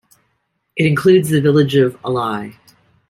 It includes the village of Ely.